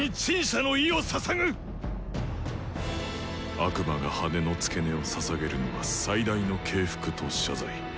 悪魔が羽の付け根をささげるのは最大の敬服と謝罪。